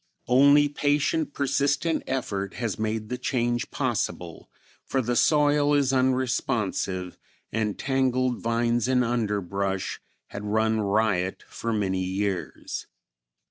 Only patient, persistent effort has made the change possible; for the soil is unresponsive, and tangled vines and underbrush had run riot for many years.